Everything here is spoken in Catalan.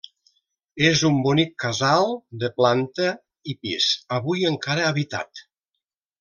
És un bonic casal de planta i pis, avui encara habitat.